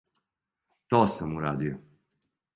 То сам урадио!